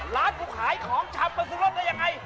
ร้านกูขายของชำมาซื้อรถได้ยังไง